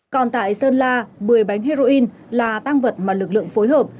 còn tại sơn la một mươi bánh heroin là tăng vật mà lực lượng phối hợp